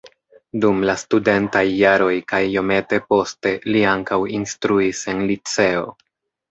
Dum la studentaj jaroj kaj iomete poste li ankaŭ instruis en liceo.